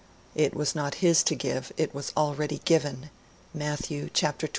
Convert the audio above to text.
(It was not His to give; it was already given Matthew xx, 23.